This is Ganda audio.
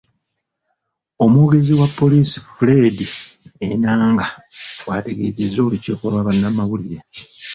Omwogezi wa poliisi Fred Enanga bwategeezezza olukiiko lwa bannamawulire